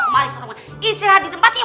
maksudnya istirahat di tempat yang